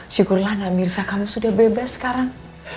syukurlah namirza kamu sudah bebas sekarang